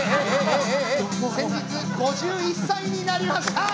「先日５１歳になりました」